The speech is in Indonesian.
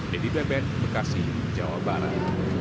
dedy beben bekasi jawa barat